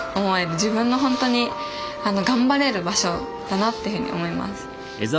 自分のほんとに頑張れる場所だなっていうふうに思います。